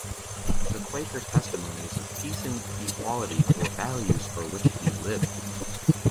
The Quaker testimonies of peace and equality were values for which he lived.